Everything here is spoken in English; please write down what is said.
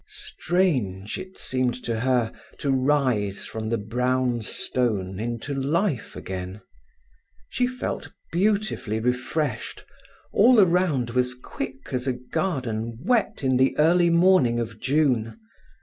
Strange, it seemed to her, to rise from the brown stone into life again. She felt beautifully refreshed. All around was quick as a garden wet in the early morning of June.